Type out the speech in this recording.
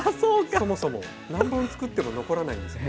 そもそも何本つくっても残らないんですよ。